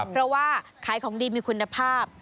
เพราะว่าขายของดีมีคุณภาพ